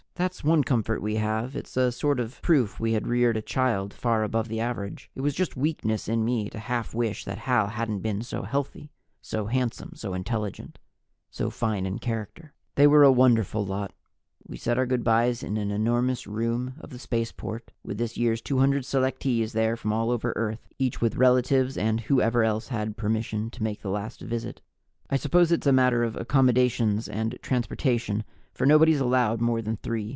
That's one comfort we have it's a sort of proof we had reared a child far above the average. It was just weakness in me to half wish that Hal hadn't been so healthy, so handsome, so intelligent, so fine in character. They were a wonderful lot. We said our good bys in an enormous room of the spaceport, with this year's 200 selectees there from all over Earth, each with the relatives and whoever else had permission to make the last visit. I suppose it's a matter of accommodations and transportation, for nobody's allowed more than three.